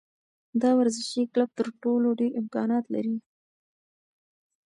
دا ورزشي کلب تر ټولو ډېر امکانات لري.